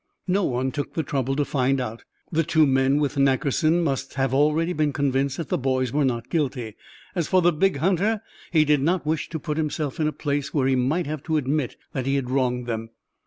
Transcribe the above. No one took the trouble to find out. The two men with Nackerson must have been already convinced that the boys were not guilty. As for the big hunter, he did not wish to put himself in a place where he might have to admit that he had wronged them.